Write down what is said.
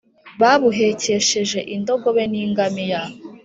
babuhekesheje indogobe n’ingamiya,